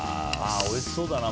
おいしそうだな。